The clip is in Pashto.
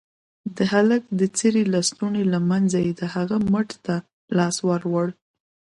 د هلك د څيرې لستوڼي له منځه يې د هغه مټ ته لاس يووړ.